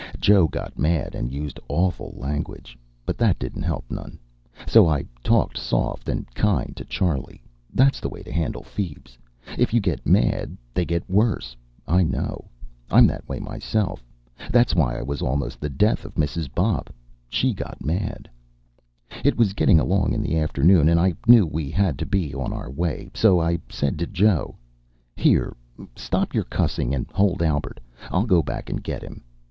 Joe got mad and used awful language. But that didn't help none. So I talked soft and kind to Charley. That's the way to handle feebs. If you get mad, they get worse. I know. I'm that way myself. That's why I was almost the death of Mrs. Bopp. She got mad. It was getting along in the afternoon, and I knew we had to be on our way, so I said to Joe: "Here, stop your cussing and hold Albert. I'll go back and get him."